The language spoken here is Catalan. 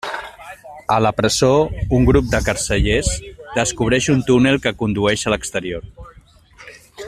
A la presó, un grup de carcellers descobreix un túnel que condueix a l'exterior.